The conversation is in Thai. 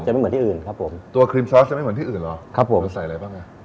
ไม่เหมือนที่อื่นครับผมตัวครีมซอสจะไม่เหมือนที่อื่นเหรอครับผมใส่อะไรบ้างอ่ะ